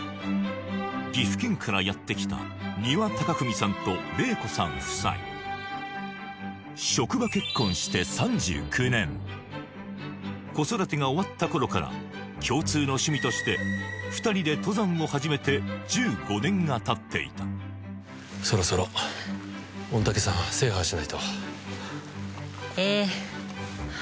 岐阜県からやってきた丹羽隆文さんと玲子さん夫妻職場結婚して３９年子育てが終わった頃から共通の趣味としてがたっていたそろそろ御嶽山を制覇しないとええ